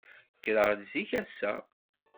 Kkreɣ-d zik ass-a.